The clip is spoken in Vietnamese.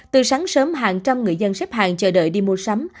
từ sáng sớm hàng trăm người dân xếp hàng chờ đợi đi mua sắm